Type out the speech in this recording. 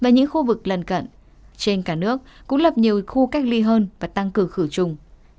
những khu vực lần cận trên cả nước cũng lập nhiều khu cách ly hơn và tăng cử khử chung